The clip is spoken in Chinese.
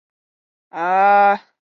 母程氏。